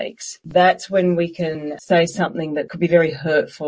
itu saatnya kita bisa mengatakan sesuatu yang sangat menyakitkan